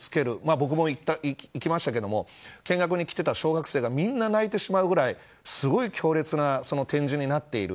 僕も行きましたけど見学に来ていた小学生がみんな泣いてしまうぐらいすごい強烈な展示になっている。